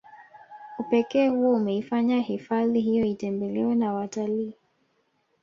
Upekee huo umeifanya hifahdi hiyo itembelewe na watalii